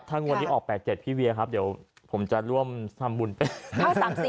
ถ้างวดนี้ออก๘๗พี่เวียครับเดี๋ยวผมจะร่วมทำบุญเป็น